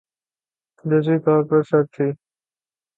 جزوی طور پر سرد تھِی